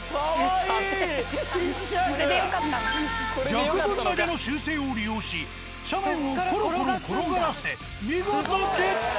逆ぶん投げの習性を利用し斜面をコロコロ転がらせ見事ゲット。